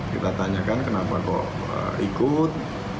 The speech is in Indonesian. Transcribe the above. kita tanyakan kenapa kok ikut